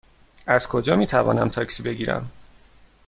از کجا می توانم تاکسی بگیرم؟